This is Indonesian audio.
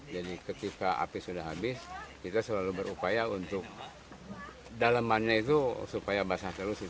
jadi ketika api sudah habis kita selalu berupaya untuk dalemannya itu supaya basah terus